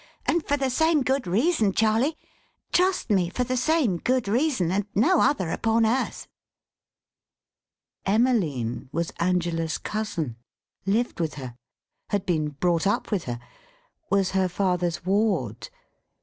And for the same good reason, Charley; trust me, for the same good reason, and no other upon earth!" Emmeline was Angela's cousin. Lived with her. Had been brought up with her. Was her father's ward.